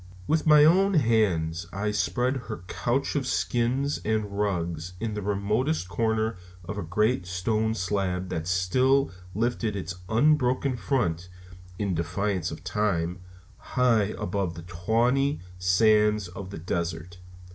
With my own hands I spread her couch of skins and rugs in the remotest corner of a great stone slab that still lifted its unbroken front, in defiance of time, high above the tawny sands of the desert.